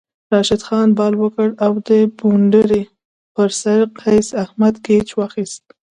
راشد خان بال وکړ او د بونډرۍ پر سر قیص احمد کیچ واخیست